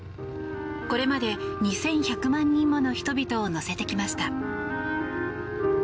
これまで２１００万人もの人々を乗せてきました。